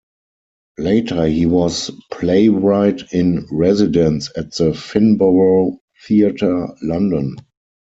Later he was playwright-in-residence at the Finborough Theatre, London.